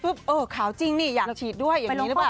เออขาวจริงนี่อยากฉีดด้วยอย่างนี้หรือเปล่า